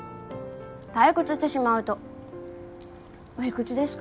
退屈してしまうと「おいくつですか？」